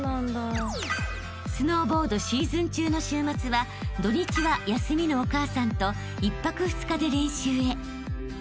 ［スノーボードシーズン中の週末は土日は休みのお母さんと１泊２日で練習へ］